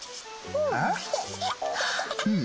うん。